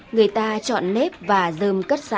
người ta chọn nếp và dơm cất sẵn